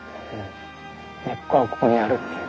根っこはここにあるっていう。